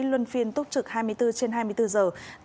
luân phiên túc trực hai mươi bốn trên hai mươi bốn giờ